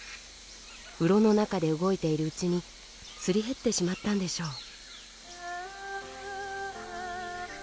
うろの中で動いているうちにすり減ってしまったんでしょう。